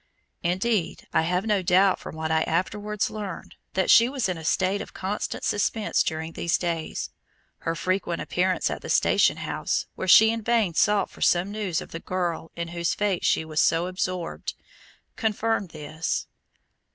Indeed I have no doubt from what I afterwards learned, that she was in a state of constant suspense during these days. Her frequent appearance at the station house, where she in vain sought for some news of the girl in whose fate she was so absorbed, confirmed this.